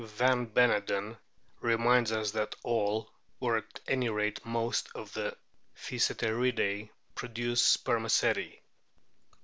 Van Beneden reminds us that all, or at any rate most, of the Physetericlae produce spermaceti.